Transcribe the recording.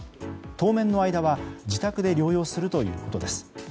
当面の間は自宅で療養するということです。